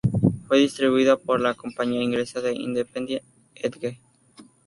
Fue distribuida por la compañía inglesa Independent Edge.